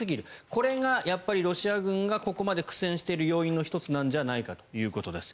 これがロシア軍がここまで苦戦している要因の１つなんじゃないかということです。